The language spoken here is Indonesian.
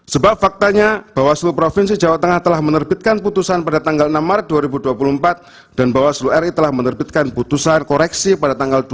sebab faktanya bawaslu provinsi jawa tengah telah menerbitkan putusan pada tanggal enam maret dua ribu dua puluh empat dan bawaslu ri telah menerbitkan putusan koreksi pada tanggal dua puluh